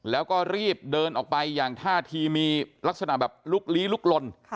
แล้วก็รีบเดินออกไปอย่างท่าทีมีลักษณะแบบลุกลี้ลุกลน